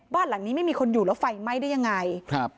บ้านหลังนี้ไม่มีคนอยู่แล้วไฟไหม้ได้ยังไงครับ